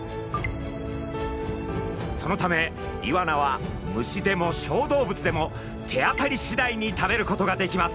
そのためイワナは虫でも小動物でも手当たりしだいに食べることができます。